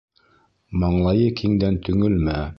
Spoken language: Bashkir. Маңлайы киңдән төңөлмә